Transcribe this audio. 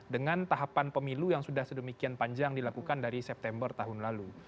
dengan tahapan pemilu yang sudah sedemikian panjang dilakukan dari september tahun lalu